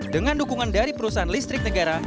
dengan dukungan dari perusahaan listrik negara